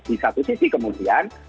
di satu sisi kemudian